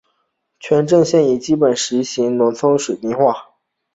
全镇现已基本实现进村道路水泥化。